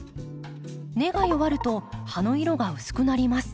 根が弱ると葉の色が薄くなります。